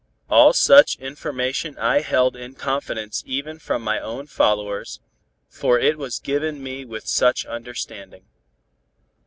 All such information I held in confidence even from my own followers, for it was given me with such understanding.